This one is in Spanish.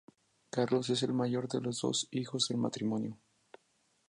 Carlos es el mayor de los dos hijos del matrimonio.